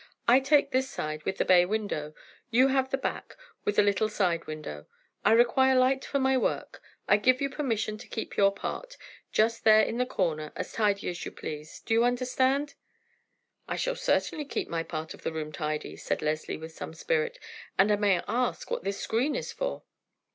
I take this side with the bay window; you have the back, with the little side window. I require light for my work. I give you permission to keep your part, just there in the corner, as tidy as you please. Do you understand?" "I shall certainly keep my part of the room tidy," said Leslie with some spirit. "And may I ask what this screen is for?"